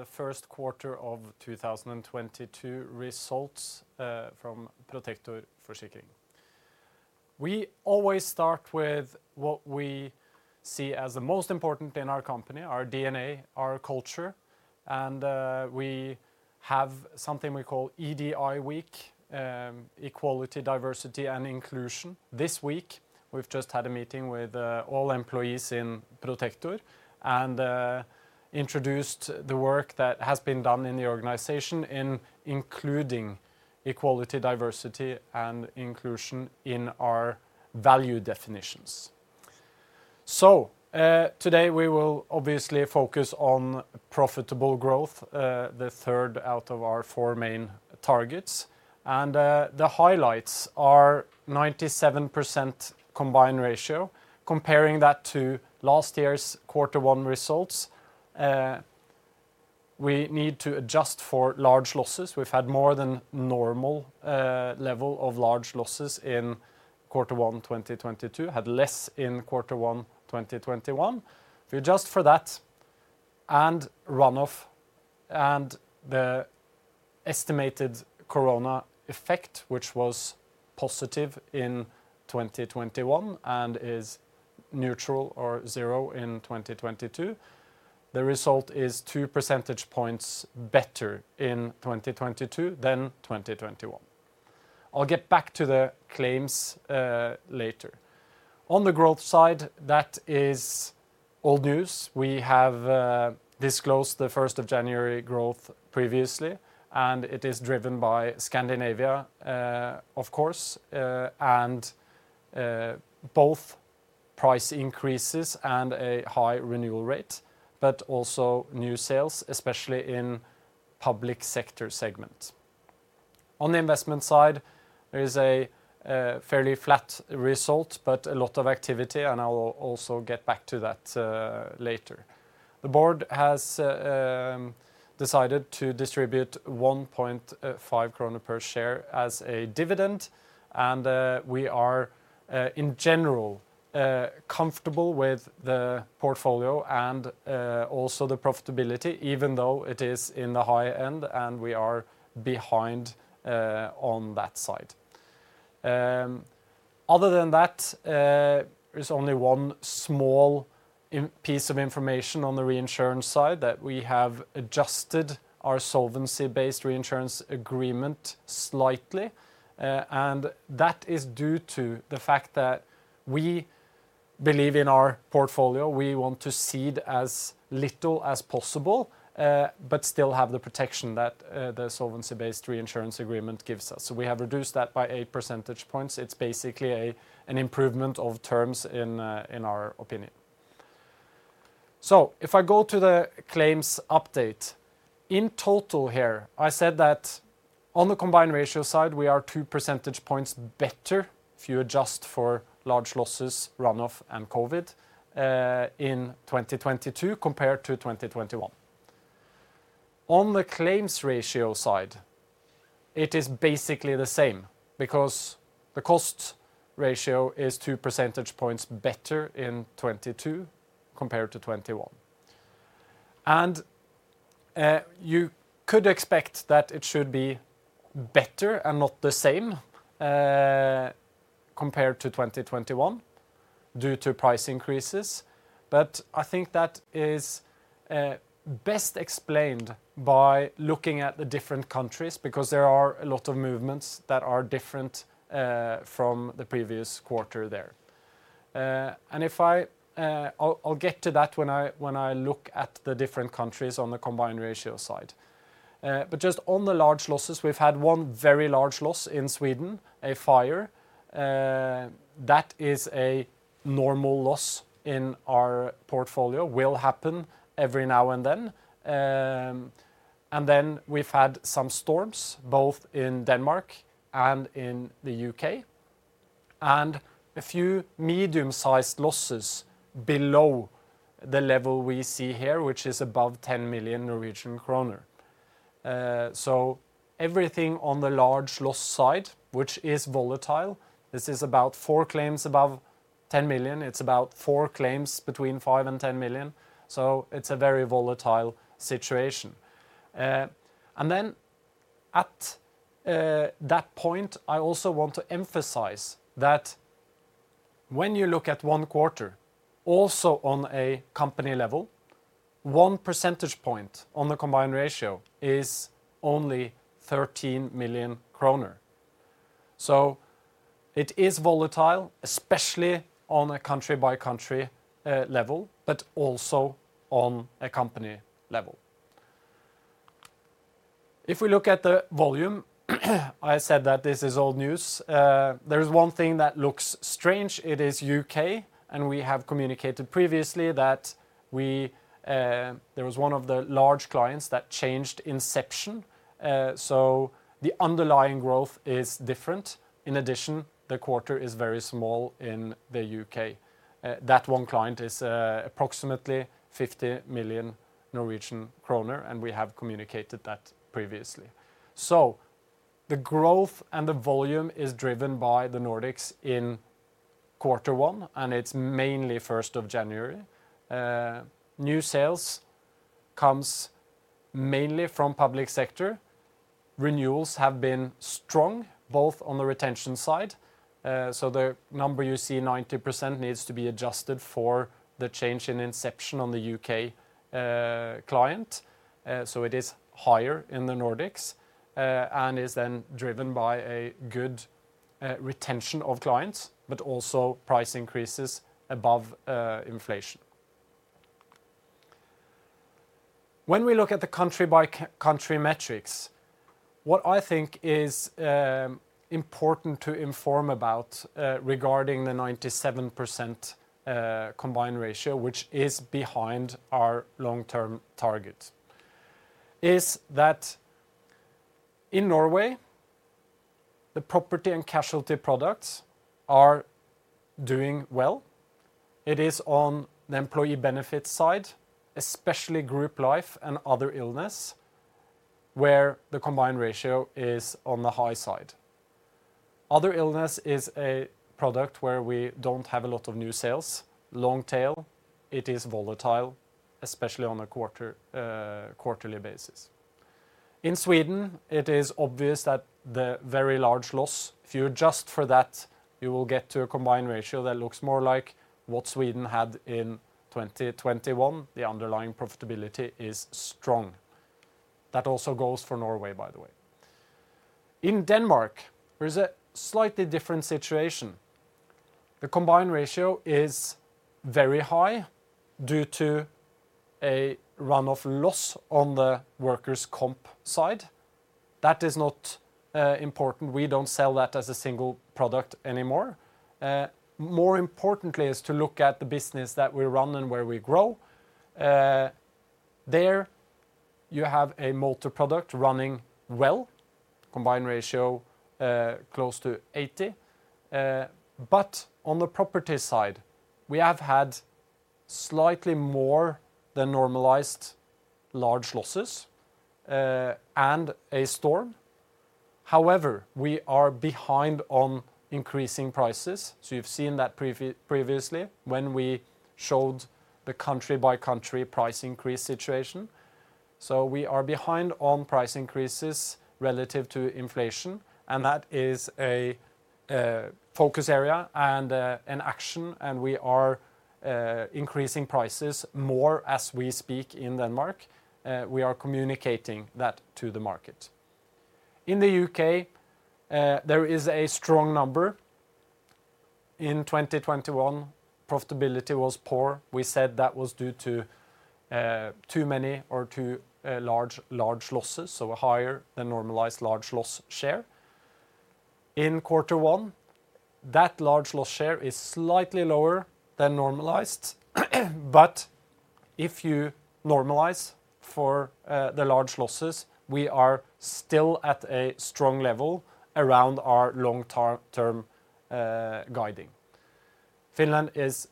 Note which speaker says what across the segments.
Speaker 1: Of the first quarter of 2022 results from Protector Forsikring. We always start with what we see as the most important in our company, our DNA, our culture, and we have something we call EDI Week, Equality, Diversity, and Inclusion. This week, we've just had a meeting with all employees in Protector and introduced the work that has been done in the organization in including equality, diversity, and inclusion in our value definitions. Today, we will obviously focus on profitable growth, the third out of our four main targets. The highlights are 97% combined ratio. Comparing that to last year's quarter one results, we need to adjust for large losses. We've had more than normal level of large losses in quarter one, 2022. Had less in quarter one, 2021. If you adjust for that and run-off, and the estimated corona effect, which was positive in 2021 and is neutral or zero in 2022, the result is two percentage points better in 2022 than 2021. I'll get back to the claims later. On the growth side, that is old news. We have disclosed the first of January growth previously, and it is driven by Scandinavia, of course, and both price increases and a high renewal rate, but also new sales, especially in public sector segment. On the investment side, there is a fairly flat result, but a lot of activity, and I'll also get back to that later. The board has decided to distribute 1.5 krone per share as a dividend and we are in general comfortable with the portfolio and also the profitability, even though it is in the high end and we are behind on that side. Other than that, there's only one small piece of information on the reinsurance side that we have adjusted our solvency-based reinsurance agreement slightly and that is due to the fact that we believe in our portfolio. We want to cede as little as possible but still have the protection that the solvency-based reinsurance agreement gives us. So we have reduced that by eight percentage points. It's basically an improvement of terms in our opinion. If I go to the claims update, in total here, I said that on the combined ratio side, we are two percentage points better if you adjust for large losses, run-off, and COVID in 2022 compared to 2021. On the claims ratio side, it is basically the same because the cost ratio is two percentage points better in 2022 compared to 2021. You could expect that it should be better and not the same compared to 2021 due to price increases. I think that is best explained by looking at the different countries because there are a lot of movements that are different from the previous quarter there. I'll get to that when I look at the different countries on the combined ratio side. Just on the large losses, we've had one very large loss in Sweden, a fire. That is a normal loss in our portfolio, will happen every now and then. We've had some storms, both in Denmark and in the U.K., and a few medium-sized losses below the level we see here, which is above 10 million Norwegian kroner. Everything on the large loss side, which is volatile, this is about four claims above 10 million. It's about four claims between 5 million and 10 million, so it's a very volatile situation. That point, I also want to emphasize that when you look at one quarter, also on a company level, one percentage point on the combined ratio is only 13 million kroner. It is volatile, especially on a country-by-country level, but also on a company level. If we look at the volume, I said that this is old news. There is one thing that looks strange, it is U.K., and we have communicated previously that there was one of the large clients that changed inception. The underlying growth is different. In addition, the quarter is very small in the U.K. That one client is approximately 50 million Norwegian kroner, and we have communicated that previously. The growth and the volume is driven by the Nordics in quarter one, and it's mainly first of January. New sales comes mainly from public sector. Renewals have been strong, both on the retention side. The number you see, 90%, needs to be adjusted for the change in inception on the U.K. client. It is higher in the Nordics, and is then driven by a good retention of clients, but also price increases above inflation. When we look at the country by country metrics, what I think is important to inform about, regarding the 97% combined ratio, which is behind our long-term target, is that in Norway, the property and casualty products are doing well. It is on the employee benefit side, especially group life and other illness, where the combined ratio is on the high side. Other illness is a product where we don't have a lot of new sales. Long tail, it is volatile, especially on a quarterly basis. In Sweden, it is obvious that the very large loss, if you adjust for that, you will get to a combined ratio that looks more like what Sweden had in 2021. The underlying profitability is strong. That also goes for Norway, by the way. In Denmark, there is a slightly different situation. The combined ratio is very high due to a run-off loss on the workers' comp side. That is not important. We don't sell that as a single product anymore. More importantly is to look at the business that we run and where we grow. There you have a multi-product running well, combined ratio close to 80. But on the property side, we have had slightly more than normalized large losses, and a storm. However, we are behind on increasing prices, so you've seen that previously when we showed the country-by-country price increase situation. We are behind on price increases relative to inflation, and that is a focus area and an action, and we are increasing prices more as we speak in Denmark. We are communicating that to the market. In the U.K., there is a strong number. In 2021, profitability was poor. We said that was due to too many or too large losses, so a higher than normalized large loss share. In quarter one, that large loss share is slightly lower than normalized, but if you normalize for the large losses, we are still at a strong level around our long-term guidance. Finland is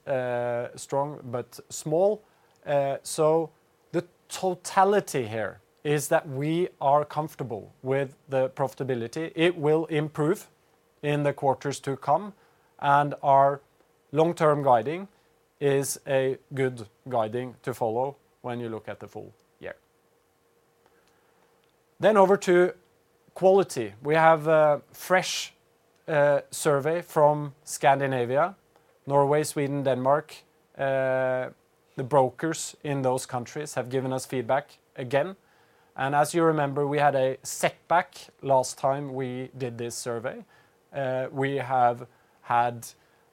Speaker 1: strong but small. The totality here is that we are comfortable with the profitability. It will improve in the quarters to come, and our long-term guiding is a good guiding to follow when you look at the full year. Over to quality. We have a fresh survey from Scandinavia, Norway, Sweden, Denmark. The brokers in those countries have given us feedback again. As you remember, we had a setback last time we did this survey. We have had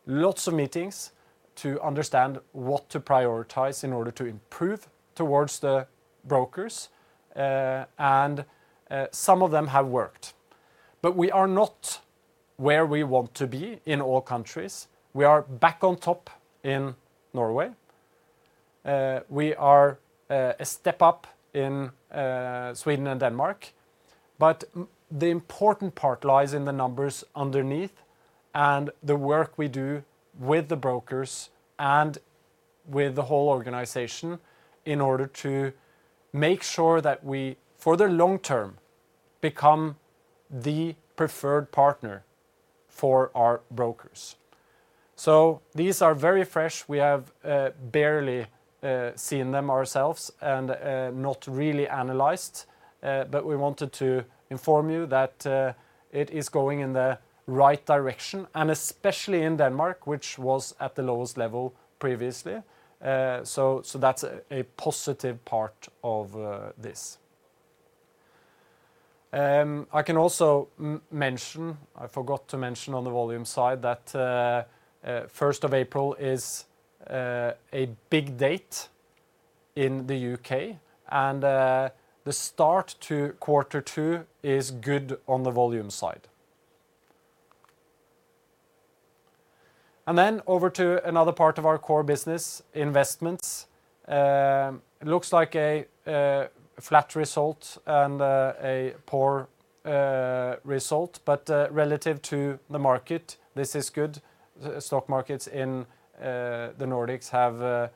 Speaker 1: lots of meetings to understand what to prioritize in order to improve towards the brokers, and some of them have worked. We are not where we want to be in all countries. We are back on top in Norway. We are a step up in Sweden and Denmark, but the important part lies in the numbers underneath and the work we do with the brokers and with the whole organization in order to make sure that we, for the long term, become the preferred partner for our brokers. These are very fresh. We have barely seen them ourselves and not really analyzed, but we wanted to inform you that it is going in the right direction, and especially in Denmark, which was at the lowest level previously. That's a positive part of this. I can also mention, I forgot to mention on the volume side, that first of April is a big date in the U.K., and the start to quarter two is good on the volume side. Over to another part of our core business, investments. Looks like a flat result and a poor result, but relative to the market, this is good. The stock markets in the Nordics have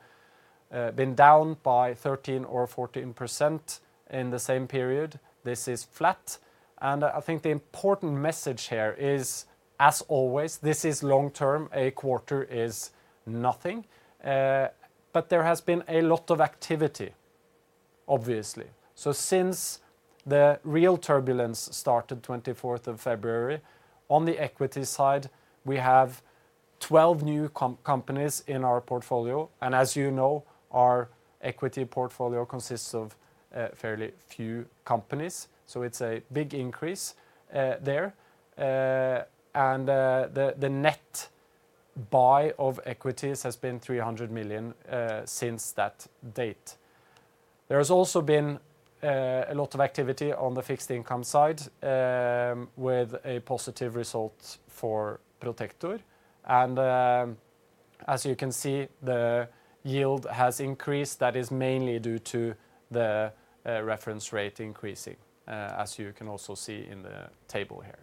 Speaker 1: been down by 13% or 14% in the same period. This is flat. I think the important message here is, as always, this is long-term, a quarter is nothing. There has been a lot of activity, obviously. Since the real turbulence started of February 24th, on the equity side, we have 12 new companies in our portfolio. As you know, our equity portfolio consists of fairly few companies, so it's a big increase there. The net buy of equities has been 300 million since that date. There has also been a lot of activity on the fixed income side with a positive result for Protector. As you can see, the yield has increased. That is mainly due to the reference rate increasing, as you can also see in the table here.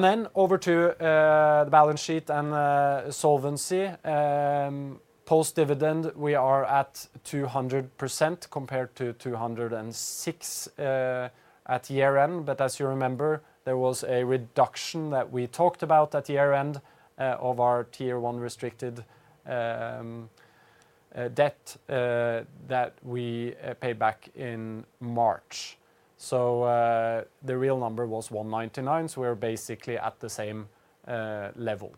Speaker 1: Then over to the balance sheet and solvency. Post-dividend, we are at 200% compared to 206% at year-end. As you remember, there was a reduction that we talked about at year-end of our Restricted Tier one debt that we paid back in March. The real number was 199, so we're basically at the same level.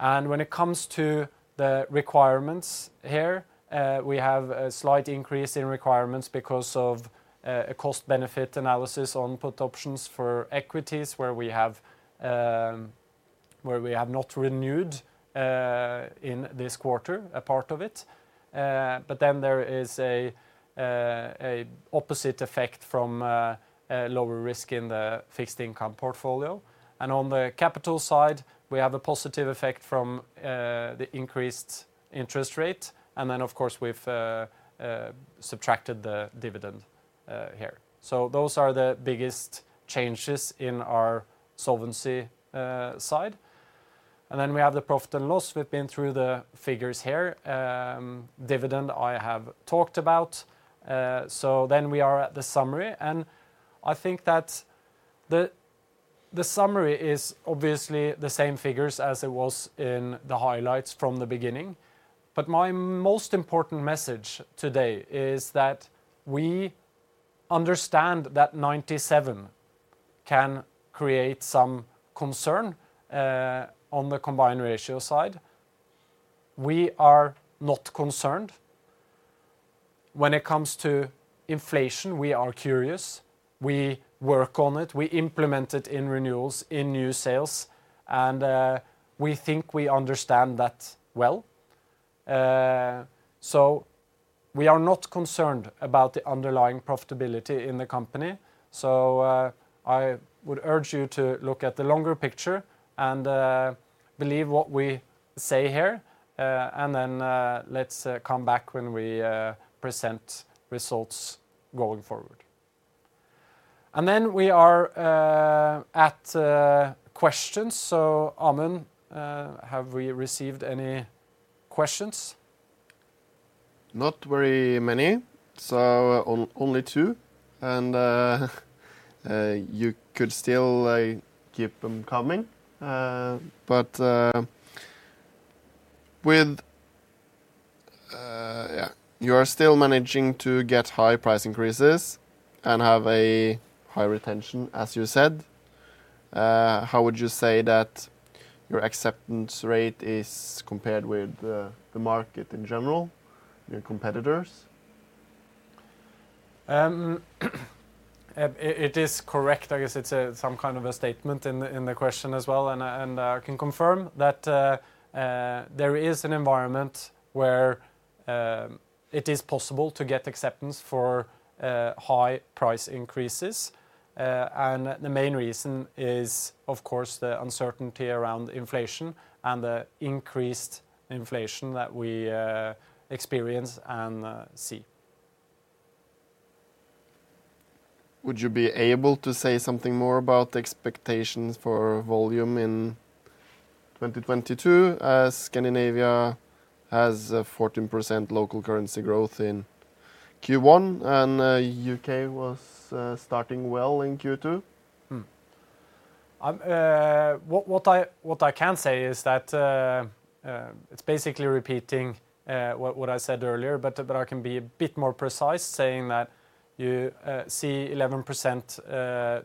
Speaker 1: When it comes to the requirements here, we have a slight increase in requirements because of a cost-benefit analysis on put options for equities, where we have not renewed in this quarter, a part of it. There is a opposite effect from a lower risk in the fixed income portfolio. On the capital side, we have a positive effect from the increased interest rate. Of course, we've subtracted the dividend here. Those are the biggest changes in our solvency side. We have the profit and loss. We've been through the figures here. Dividend, I have talked about. We are at the summary. I think that the summary is obviously the same figures as it was in the highlights from the beginning. My most important message today is that we understand that 97% can create some concern on the combined ratio side. We are not concerned. When it comes to inflation, we are curious. We work on it, we implement it in renewals, in new sales, and we think we understand that well. We are not concerned about the underlying profitability in the company. I would urge you to look at the longer picture and believe what we say here, and then let's come back when we present results going forward. Then we are at questions. Amund, have we received any questions?
Speaker 2: Not very many. Only two, and you could still, like, keep them coming. You are still managing to get high price increases and have a high retention, as you said. How would you say that your acceptance rate is compared with the market in general, your competitors?
Speaker 1: It is correct. I guess it's some kind of a statement in the question as well. I can confirm that there is an environment where it is possible to get acceptance for high price increases. The main reason is, of course, the uncertainty around inflation and the increased inflation that we experience and see.
Speaker 2: Would you be able to say something more about the expectations for volume in 2022, as Scandinavia has a 14% local currency growth in Q1, and U.K. was starting well in Q2?
Speaker 1: What I can say is that it's basically repeating what I said earlier, but I can be a bit more precise saying that you see 11%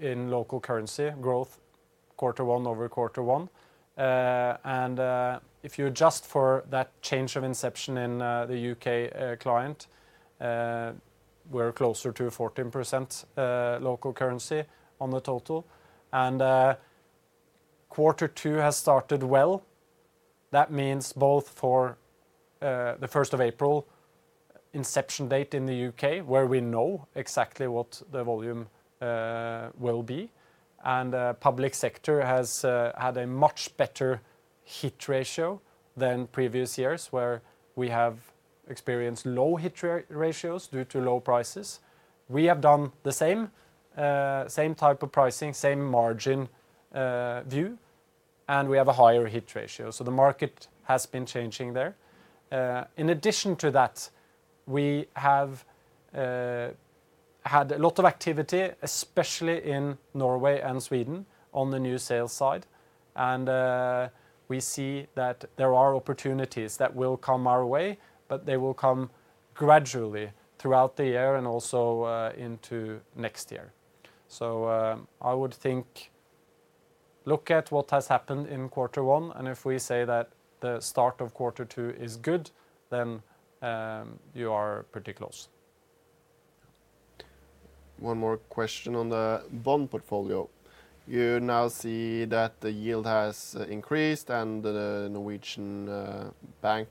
Speaker 1: in local currency growth quarter one over quarter one. If you adjust for that change of inception in the U.K. client, we're closer to 14% local currency on the total. Quarter two has started well. That means both for the first of April inception date in the U.K., where we know exactly what the volume will be, and the public sector has had a much better hit ratio than previous years, where we have experienced low hit ratios due to low prices. We have done the same type of pricing, same margin view, and we have a higher hit ratio. The market has been changing there. In addition to that, we have had a lot of activity, especially in Norway and Sweden on the new sales side. We see that there are opportunities that will come our way, but they will come gradually throughout the year and also into next year. I would think, look at what has happened in quarter one, and if we say that the start of quarter two is good, then you are pretty close.
Speaker 2: One more question on the bond portfolio. You now see that the yield has increased and the Norges Bank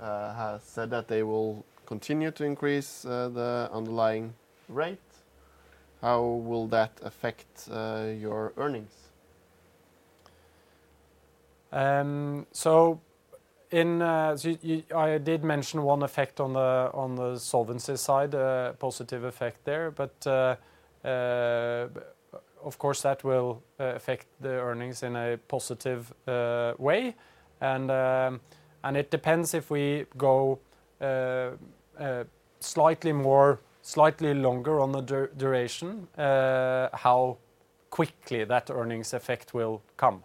Speaker 2: has said that they will continue to increase the underlying rate. How will that affect your earnings?
Speaker 1: I did mention one effect on the solvency side, a positive effect there. Of course, that will affect the earnings in a positive way. It depends if we go slightly more, slightly longer on the duration, how quickly that earnings effect will come,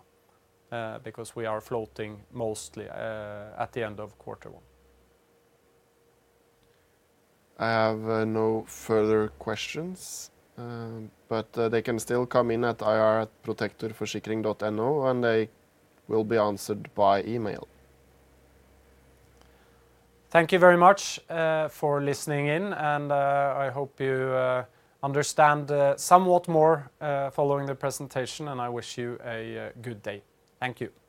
Speaker 1: because we are floating mostly at the end of quarter one.
Speaker 2: I have no further questions, but they can still come in at ir@protectorforsikring.no and they will be answered by email.
Speaker 1: Thank you very much, for listening in, and, I hope you, understand, somewhat more, following the presentation, and I wish you a, good day. Thank you.